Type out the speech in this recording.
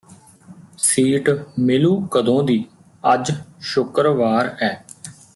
seat ਮਿਲੂ ਕਦੋਂ ਦੀ ਅੱਜ ਸ਼ੁਕਰਵਾਰ ਐ